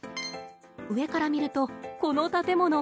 上から見るとこの建物。